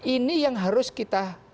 ini yang harus kita